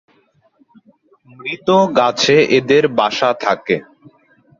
মৃত গাছে এদের বাসা থাকে।